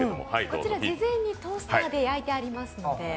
こちら、事前にトースターで焼いてありますので。